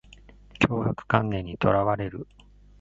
強迫観念にとらわれる